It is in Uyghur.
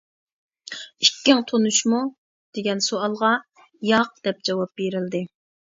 «ئىككىڭ تونۇشمۇ؟ » دېگەن سوئالغا «ياق» دەپ جاۋاب بېرىلدى.